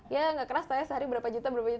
ya gak keras taunya sehari berapa juta berapa juta